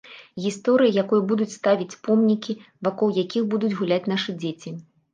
Гісторыя, якой будуць ставіць помнікі, вакол якіх будуць гуляць нашы дзеці.